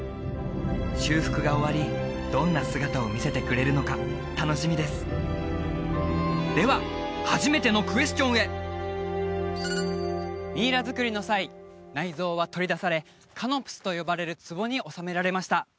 修復が終わりどんな姿を見せてくれるのか楽しみですでは初めてのクエスチョンへミイラ作りの際内臓は取り出されカノプスと呼ばれる壺に収められました